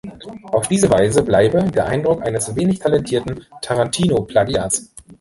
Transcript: Auf diese Weise bleibe „der Eindruck eines wenig talentierten Tarantino-Plagiats“.